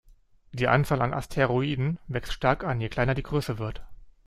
Die Anzahl an Asteroiden wächst stark an, je kleiner die Größe wird.